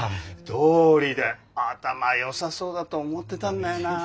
どうりで頭よさそうだと思ってたんだよなあ。